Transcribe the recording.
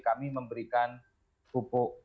kami memberikan pupuk